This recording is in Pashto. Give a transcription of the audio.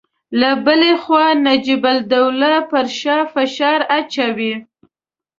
له بلې خوا نجیب الدوله پر شاه فشار اچاوه.